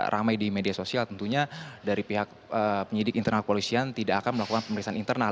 ramai di media sosial tentunya dari pihak penyidik internal kepolisian tidak akan melakukan pemeriksaan internal